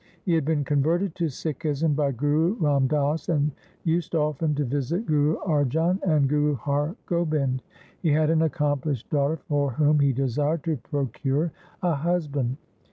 He had been converted to Sikhism by Guru Ram Das and used often to visit Guru Arjan and Guru Har Gobind. He had an accomplished daughter for whom he desired to procure a husband.